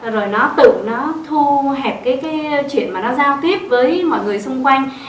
rồi nó tự nó thu hẹp cái chuyện mà nó giao tiếp với mọi người xung quanh